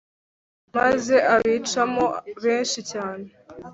maze abicamo benshi cyane